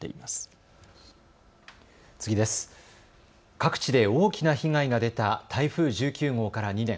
各地で大きな被害が出た台風１９号から２年。